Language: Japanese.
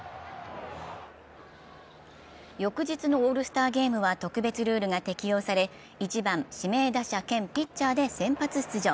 翌日のオールスターゲームは特別ルールが適用され、１番・指名打者兼ピッチャーで先発出場。